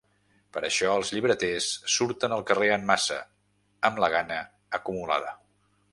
Per això els llibreters surten al carrer en massa, amb la gana acumulada.